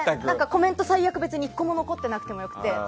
コメント、最悪１個も残ってなくてもよくて。